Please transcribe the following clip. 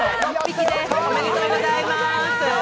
おめでとうございまーす。